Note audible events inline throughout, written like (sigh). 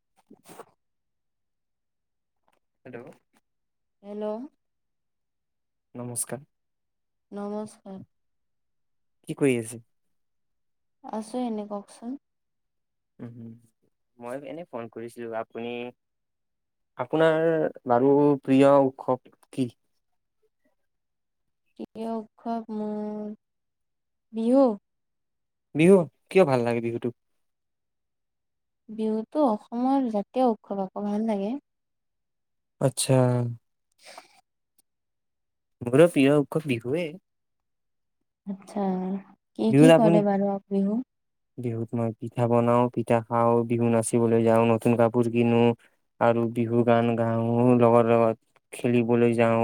(unintelligible) Hello. Hello. নমস্কাৰ। নমস্কাৰ। কি কৰি আছে। আছো এনেই, কওকচোন। উম, মই এনে ফোন কৰিছিলোঁ। আপুনি আপোনাৰ বাৰু প্ৰিয় উৎসৱ কি। প্ৰিয় উৎসৱ মোৰ, বিহু। বিহু। কিয় ভাল লাগে বিহুটো। বিহুটো অসমৰ জাতীয় উৎসৱ আকৌ ভাল লাগে। আচ্ছা। মোৰো প্ৰিয় উৎসৱ বিহুৱে। আচ্ছা। কি বিহুত কি আপুনি কৰে বাৰু আ বিহু বিহুত মই পিঠা বনাও, পিঠা খাওঁ, বিহু নাচিবলৈ যাওঁ, নতুন কাপোৰ কিনো আৰু বিহু গান গাও, লগৰ লগত খেলিবলৈ যাওঁ,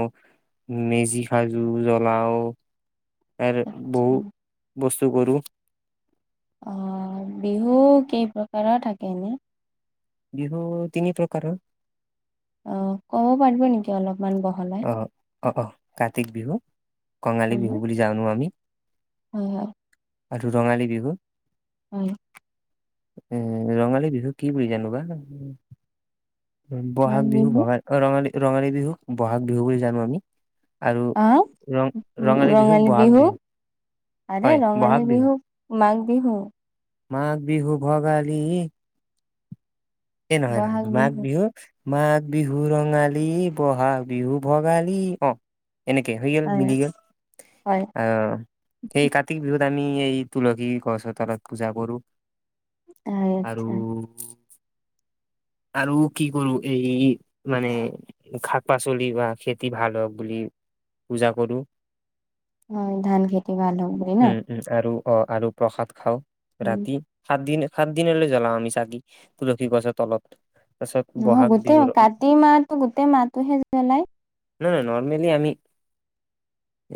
মেজি সাজু, জ্বলাও এৰ বহু বস স্তু কৰোঁ। অ', বিহু কেই প্ৰকাৰৰ থাকে এনে। বিহু তিনি প্ৰকাৰৰ। অ, কব পাৰিব নেকি অলপ ইমান বহলাই। অ', অ', অ', কাতি বিহু কঙালী বিহু বুলি জানো। আমি হয়, হয়। আৰু ৰঙালী বিহু হয়। এ, ৰঙালী বিহুক কি বুলি জানো বা। ও বহাগ বিহু ভগায় অ ৰঙালী। ৰঙালী বিহুক বহাগ বিহু বুলি জানো আমি! আৰু! আহ ৰং--ৰঙালী বিহুক বহাগ বিহু। আৰে হয় বহাগ ৰঙালী বিহু বিহুক! মাঘ বিহু মাঘ বিহু ভগালী ই ই হ এ নহয়-নহয় মাঘ বিহু মাগ বিহু ৰঙালী ই, বহা-গ বিহু ভগালী ই অ এনেকে হৈ গেল, হয় মিলি গেল--অ হয় অ ও হেই কাতি বিহুত নামি এইই তুলসীইৰ কছৰ তলত পূজা কৰো হয় আৰু আচ্ছা ও আৰু কি কৰো এই ই মানে- খাক-পাচলি বা সেতি ভাল হওঁক বুলি পূজা কৰো! হয়। ধান খেতি ভাল হওঁক বুলি ন। উম উম আৰু অ আৰু প্ৰসাদ খাঁও। উম ৰাতি সাত দিন সাত দিনলৈ জ্বলাও আমি চাগি। তুলসীৰ গছৰ তলত। তাৰপিছত নোহো, বহাগ গোটে বিহুৰ কাতি মাটো গোটে মাটোহে জ্বলাই! নাই নাই, নৰ্মেলি আমি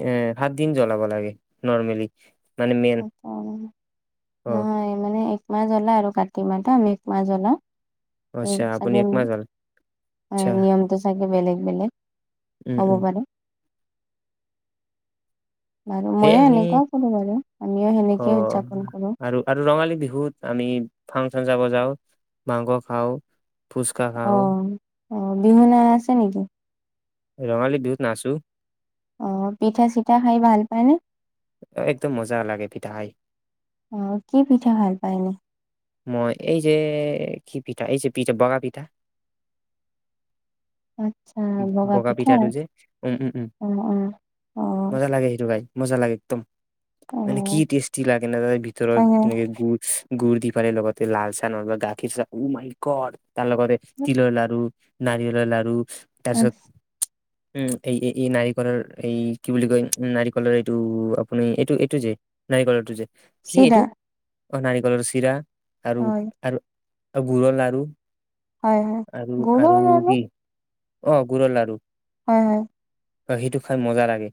এ সাত দিন জ্বলাব লাগে। নৰ্মেলি। মানে মেইন অকমান অ নহয় মানে এক মা জলা আৰু কাটি মাটু। আমি এক মা জ্বলাও। উম আচ্ছা আপুনি চাগে নি, একমাহ জ্বল আচ্ছা নিয়মটো চাগে বেলেগ। বেলেক উম হ'ব উম পাৰেে! বাৰু, সেই ময়ো আমি এনেকুৱাও কৰো বাৰু। আমিও অ সেনেকে উদযাপন কৰো। আৰু আৰু ৰঙালী বিহুত আমি ফাংচন যাব যাও, মাংস খাও। ফুচকা অ খাও। অ বিহু নায়া আছে নেকি? ৰঙালী বিহুত নাচো। অ' পিঠা চিঠা খায় ভাল পায় নে? একদম মজা লাগে পিঠা খায়। আয় নে? মই। এই যে' কি পিঠা। এই যে, পিঠা বগা পিঠা। আট্ছা। বগা পিঠা! পিঠাটো যে উম উম উম অ'অ, অ' অ মজা লাগে সেইটো খাই মজা লাগে একদম! মানে কি টেষ্টি লাগে ন তাৰ ভিতৰত কেনেকে গুড় গুড় দি তাৰে লগতে লাল চাহ নহলেবা গাখীৰ চাহ অহ্‌ মাই গড্‌! তাৰ লগতে তিলৰ লাড়ু নাৰিয়লৰ লাড়ু অ তাৰপিছত উম' এই এই এই নাৰিকলৰ- এই কি বুলি কয়? উম্‌ নাৰিকলৰ এইটো- আপুনি এইটো-এইটো যে নাৰিকলৰটো যে! কি চিৰা এইটো অ' নাৰিকলৰ চিৰা আৰু হয়, আৰু আৰু গুৰৰ লাড়ু হয় হয় গুৰৰ লাড়ু? কি অ' গুৰৰ লাড়ু। হয় হয়। অ' সেইটো খাই মজা লাগে।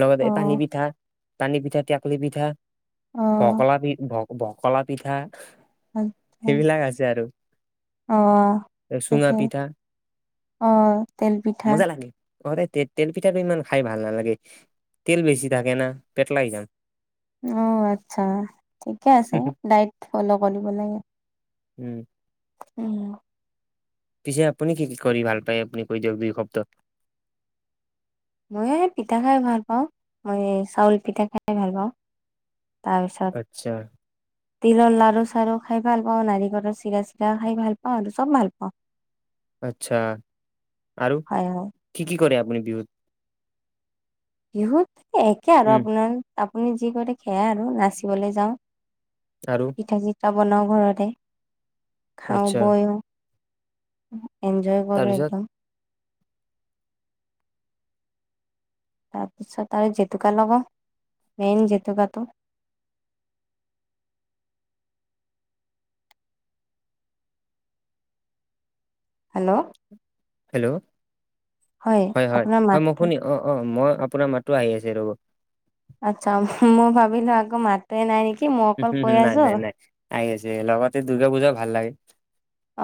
লগত এ' পানী অ', পিঠা পানী পিঠা, টেক্‌লি পিঠা অ', ভক্‌লা পিঠ-ভ ভকলা পিঠা সেইবিলাক আছে আৰু। চুঙা অ'-তাকে, পিঠা অ'- তেল পিঠা অ দে তে- তেল পিঠাটো ইমান খাই ভাল নালাগে। তেল বেছি থাকে না, পেটলা হৈ যাম। অ' আচ্ছা। ঠিকে আছে, ডায়েট। ফল' কৰিব লাগে। উম' (unintelligible) পিছে আপুনি কি কি কৰি ভাল পায় আপুনি কৈ দিয়ক দুই শব্দ? মই- পিঠা খাই ভাল পাওঁ। মই চাউল পিঠা খাই ভাল পাওঁ। তাৰপিছত- আচ্ছা তিলৰ লাড়ু চাড়ু। খাই ভাল পাওঁ নাৰিকলৰ চিৰা চিৰা খাই ভাল পাওঁ আৰু চব ভাল পাওঁ। আচ্ছা- আৰু? হয়, হয়। কি কি কৰে আপ্‌ আপুনি বিহুত বিহুত? এ' একে আৰু উম আপোনাৰ আপুনি যি কৰে সেয়াই আৰু, নাচিবলৈ আৰু যাওঁ। (unintelligible) বনাওঁ ঘৰতে। খাওঁ আচ্ছা বৈও'। ওহো। এনজয় কৰো তাৰপিছত একদম। তাৰপিছত আৰু জেতুকা লগাও মেইন জেতুকাটো। হেল্ল'? হেল্ল'? হয় হয় আপোনাৰ হয় মই মাতটো শুনি অ অ মই আপোনাৰ মাতো আহি আছে ৰ'ব। আচ্ছা মই ভাবিলো আকৌ মাতে নাই নেকি? মই অকল কৈ নাই আছো নাই নাই আহি আছে লগতে দুৰ্গা পূজাও ভাল লাগে।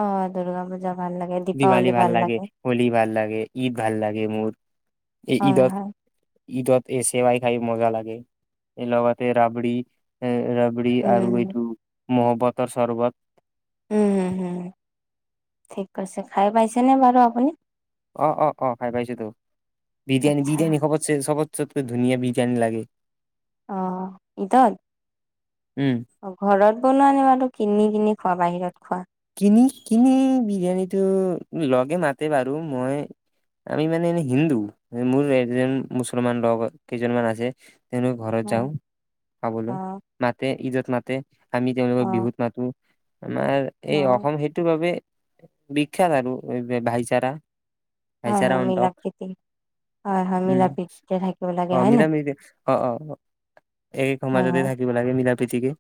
অ দুৰ্গা পূজা ভাল লাগে দিৱালী দীপাৱলী ভাল লাগে হোলী ভাল লাগে ঈদ ভাল লাগে মোৰ এই হয় ঈদত হয় ঈদত এই চেৱাই খাই মজা লাগে লগতে ৰাবৰি উম আৰু উম এইটো মহব্বতৰ চৰ্বত উম হম হম ঠিক কৈছে খাই পাইছেনে বাৰু আপুনি? অ' অ' অ' ভাই পাইছো তো। বিৰিয়ানী আচ্ছা বিৰিয়ানী খবতছে সবত চবকে ধুনীয়া বীজ আানী লাগে। অ'ঈদৰ উম অ' ঘৰত বনোৱা নিমাতো আৰু কিনি কিনি খোৱা বাহিৰত খোৱা। কিনি কিনি বিৰিয়ানীটো লগে মাতে বাৰু মই আমি মানে এনে হিন্দু মোৰ এজন মুছলমান লগ কেইজনমান আছে তেনে ঘৰত উম, যাওঁ অ খাবলৈ মাতে ঈদত তোমাতে আমি তেওঁলোকৰ অ বিহুত মাতো এনে এই অ অসম সেইটো বাবে বিখ্যাত আৰু ভাইচাৰা। হয় ভাইচাৰা হয় মিলা অন্তক প্ৰীতি হয় হয় মিলা ও' প্ৰীতিৰে থাকিব লাগে অ হয় নে মিলামিলিতে অ' অ' এই হয় সমাজতে হয় থাকিব লাগে মিলাম (unintelligible)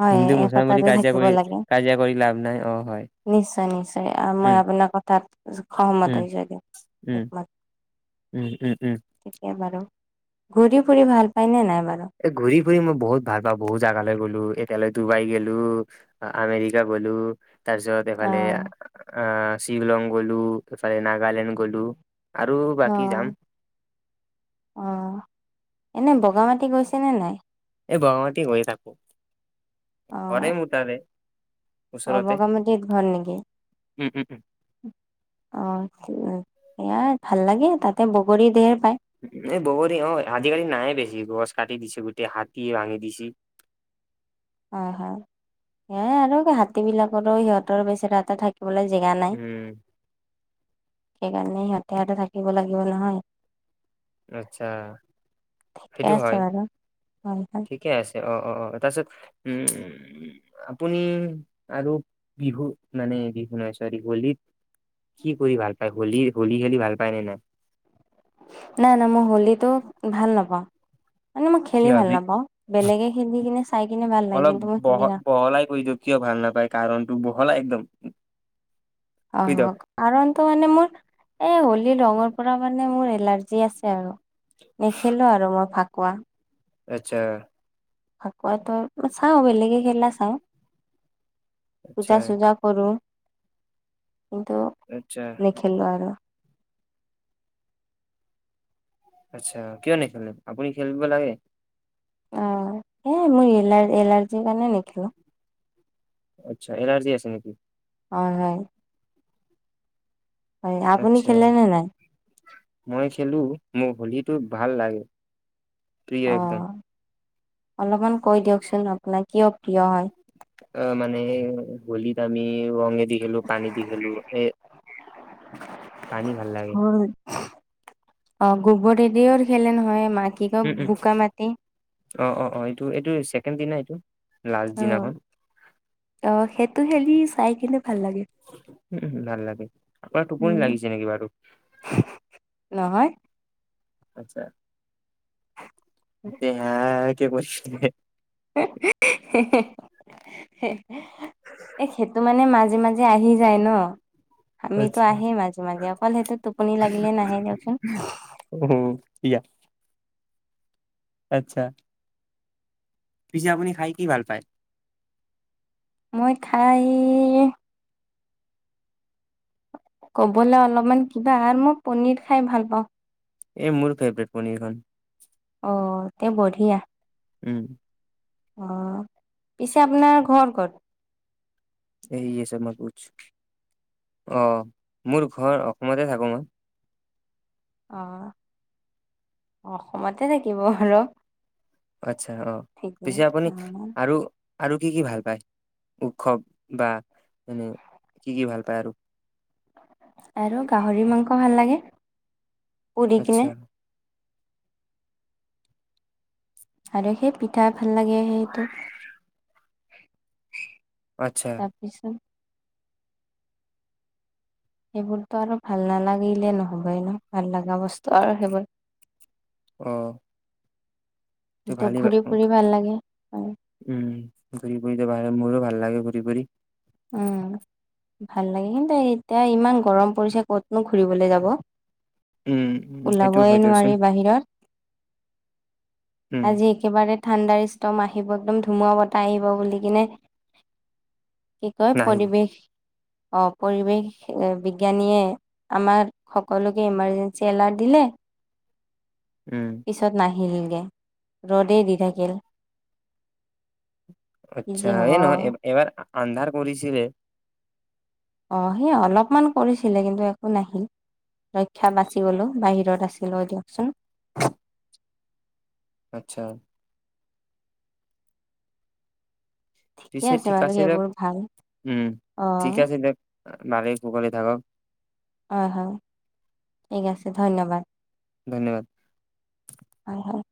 হয় হিন্দু মুছলাম বুলি একতাটো কাজিয়া থাকিব কৰি লাগে কাজিয়া কৰি লাভ নাই অ হয় নিশ্চয় নিশ্চয় মই উম আপোনাৰ কথাত সহমত হৈছো একমাত। ও'ও'ও'। ঘূৰি ফুৰি ভাল পাই নে নাই? বাৰু এ ঘূৰি ফুৰি মই বহুত ভাল পাওঁ, বহুত জাগালৈ গ'লো এতিয়ালে ডুবাই গেলো, আমেৰিকা গ'লো, তাৰ পিছত অ এইফালে অ শ্বিলং গ'লো, এফালে নাগালেণ্ড গ'লো আৰু অ, বাকী যাম অ এনে বগা মানো গৈছে নে নাই? এই বগা মাটি গৈয়ে থাকো। ঘৰে আহ, মোৰ তাৰে অ ওচৰতে। বগামাতিত ঘৰ নেকি? উম, উম, উম। অ এয়াই ভাল লাগে, তাতে বগৰী ধেৰ পাই, এই বগৰী, অ আজিকালি নাই বেছি গছ কাটি দিছি গোটেই হাতী ভাঙি দিছি হয় হয়, সেয়াই আৰু হাতী বিলাকৰো সিহঁতৰ বেচেৰা এটা থাকে। জেগা নাই। উম। সেইকাৰণে সিহঁতে ইয়াতে থাকিব লাগিব নহয়, আচ্ছা ঠিকে সেইটো আছে হয়। বাৰু হয় হয় ঠিকে আছে অ-অ-অ তাৰ পিছত উম উম, আপুনি আৰু বিহু মানে বিহু নহয় চৰি হোলীত কি কৰি ভাল পায়? হোলী হোলী খেলি ভাল পায় নে নাই? নাই নাই, মই হলিটো ভাল নাপাওঁ। মানে মই খেলি কিয় ভাল বি নাপাওঁ। বেলেগে খেলি কিনে চাই কিনে ভাল লাগে অলপ কিন্তু মই বহ খেলি না। হল একদম অ কৈ দিয়ক। কাৰণটো মানে মোৰ এই হোলী ৰঙৰ পৰা মানে মোৰ এলাৰ্জি আছে। আৰু নেখেলো আৰু মই ফাক কোৱা আচ্ছা ফাকুৱা ত চাওঁ বেলেগে খেলা চাওঁ। আচ্ছা পূজা চূজা কৰো। কিন্তু আচ্ছা নেখেলো আৰু আচ্ছা, কিয় নেখেলে? আপুনি খেলিব লাগে। অ এই মই এলাৰ এলাৰ্জিৰ কাৰণে নেখেলো আচ্ছা এলাৰ্জি আছে নেকি? হয় হয়। হয়। আপুনি আচ্ছা খেলে নে নাই? মই খেলো, মোৰ হলিটো ভাল লাগে। প্ৰিয় অ একদম অলপমান কৈ দিয়কচোন আপোনাৰ কিয় প্ৰিয় হয়? অ মানে হোলীত আমি ৰং দি খেলো পানী দি খেলো এ পানী ভাল লাগে অ গোবৰেদিও খেলে নহয় মাক কি কয় উম উম বোকা মাটি। অ', অ', অ', এইটো এইটো ছেকেণ্ড দি না এইটো। লাষ্ট অ'। দিনাখন অ'। সেইটো খেলি চাইকিনে উমম ভাল লাগে। আপোনাৰ টোপনি উম লাগিছে নেকি বাৰু? নহয় আচ্ছা। হে হায়। কি (unintelligible) (unintelligible) এ, সেইটো মানে মাজ মাজে মাজে আহি যায় ন? হামিতো আচ্ছা আহেই মাজে মাজে, অকল সেইটোত টোপনি লাগিলে নাহে দিয়কচোন। অ ইয়া আচ্ছা। পিছে আপুনি খাই কি ভাল পায়? মই খাই, কবলৈ অলপমান কিবা আৰু মই পনীৰ খাই ভাল পাওঁ। এই মোৰ ফেভাৰিট পনীৰখন। অ', তে বঢ়িয়া। উম্। অ', পিছে আপোনাৰ ঘৰ ক'ত? (unintelligible) অ, মোৰ ঘৰ অসমতে থাকো মই। অহ, অসমতে থাকিব আৰু? আচ্ছা। অ', ঠিকে পিছে আপুনি অ আৰু আৰু কি কি ভাল পায়? উৎসৱ বা মানে কি কি ভাল পায় আৰু? আৰু গাহৰি মাংস ভাল লাগে। (unintelligible) আচ্ছা কিনে আৰু সেই পিঠা ভাল লাগে, সেইটো। আচ্ছা তাৰপিছত? সেইবোৰতো আৰু ভাল নালাগিলে নহ'বই ন? ভাল লগা বস্তু আৰু সেইবোৰ। অহ। ত কিন্তু ভালেই ঘূৰি ফুৰি (unintelligible) ভাল লাগে উম, ঘূৰি ফূৰিলে ভাল। মোৰো ভাল লাগে ঘূৰি ফুৰি। উম। ভাল লাগেজ কিন্তু এতিয়া ইমান গৰম পৰিছে ক'তনো ঘূৰিবলৈ যাব। উম উম, সেইটো ওলাবই হয় দিয়কচোন নোৱাৰি বাহিৰত, উম আজি একেবাৰে থাণ্ডাৰষ্টৰ্ম আহিব, একদম ধুমুহা বতাহ আহিব বুলি কিনে কি কয় নাহিল পৰিৱেশ অ', পৰিৱেশ বিজ্ঞানীয়ে আমাক সকলোকে ইমাৰ্জেঞ্চি এলাৰ্ট দিলে উম পিছত নাই। (unintelligible) ৰ'দেই দি থাকিল। কি যে আচ্্চা হব এই এবাৰ আন্ধাৰ কৰিছিলে। আহ সেই অলপমান কৰিছিলে কিন্তু একো নাহিল ৰক্ষা বাচি গলো বাহিৰত আছিলো দিয়কচোন। আচ্ছা। ঠিকে পিছে আছে ঠিক বাৰু দিয়ক এইবোৰ ভাল, আহ। নাৰী ককলি থাকক। হয়, হয় ঠিক আছে ধন্যবাদ। ধন্যবাদ হয়, হয়।